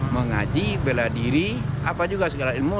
mengaji bela diri apa juga segala ilmu